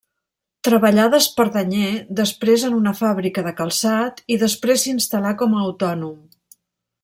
Treballà d'espardenyer, després en una fàbrica de calçat i després s'instal·la com a autònom.